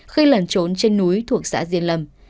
khi lần trốn trên núi thuộc xã diên lâm